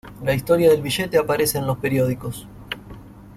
La historia del billete aparece en los periódicos.